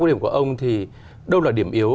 quan điểm của ông thì đâu là điểm yếu